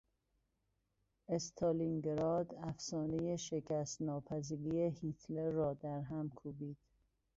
استالینگراد افسانهی شکست ناپذیری هیتلر را در هم کوبید.